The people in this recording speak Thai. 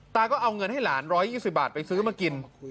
ก็เอาเงินให้หลาน๑๒๐บาทไปซื้อมากิน